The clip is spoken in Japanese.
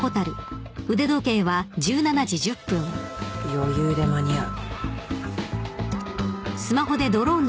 余裕で間に合う。